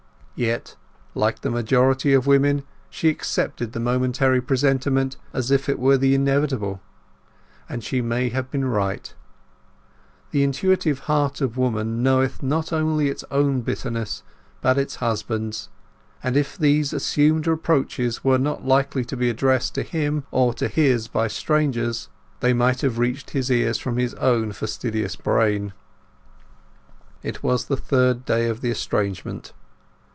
Yet, like the majority of women, she accepted the momentary presentment as if it were the inevitable. And she may have been right. The intuitive heart of woman knoweth not only its own bitterness, but its husband's, and even if these assumed reproaches were not likely to be addressed to him or to his by strangers, they might have reached his ears from his own fastidious brain. It was the third day of the estrangement.